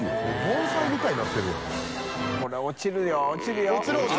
盆栽みたいになってるやん。